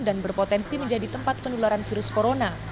dan berpotensi menjadi tempat penularan virus corona